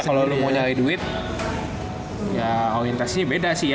kalau lo mau nyari duit ya orientasinya beda sih ya